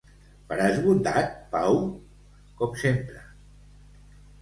Faràs bondat, Pau? Com sempre!